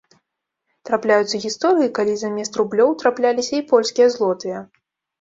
Трапляюцца гісторыі, калі замест рублёў трапляліся і польскія злотыя.